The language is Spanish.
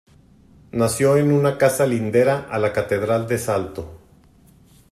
Nació en una casa lindera a la Catedral de Salto.